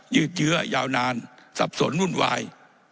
ยืดเยื้อยาวนานสับสนวุ่นวาย